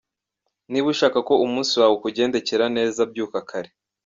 Niba ushaka ko umunsi wawe ukugendekera neza, byuka kare.